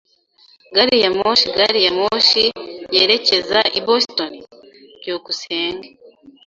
Gari ya moshi gari ya moshi yerekeza i Boston? byukusenge